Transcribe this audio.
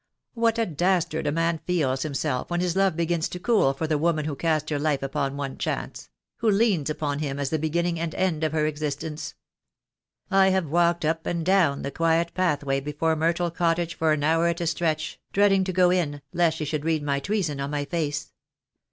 What a dastard a man feels I98 THE DAY WILL COME. himself when his love begins to cool for the woman who cast her life upon one chance — who leans upon him as the beginning and end of her existence. I have walked up and down the quiet pathway before Myrtle Cottage for an hour at a stretch, dreading to go in, lest she should read my treason in my face.